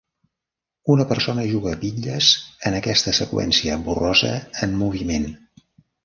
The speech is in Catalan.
Una persona juga a bitlles en aquesta seqüència borrosa en moviment.